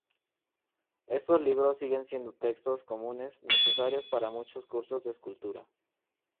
Estos libros siguen siendo textos comunes necesarios para muchos cursos de escultura.